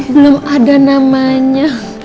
belum ada namanya